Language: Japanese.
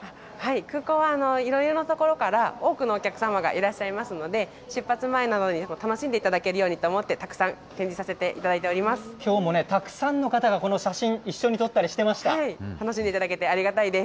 空港は、いろいろな所から多くのお客様がいらっしゃいますので、出発前などに楽しんでいただけるようにと思って展示させていきょうもね、たくさんの方が、楽しんでいただけてありがたいです。